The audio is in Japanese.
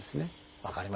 分かりました。